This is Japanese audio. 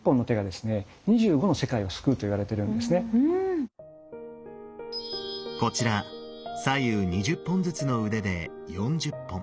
それはですねこちら左右２０本ずつの腕で４０本。